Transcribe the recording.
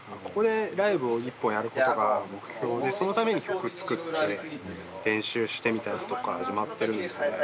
ここでライブを１本やることが目標でそのために曲作って練習してみたいなとこから始まってるんですね。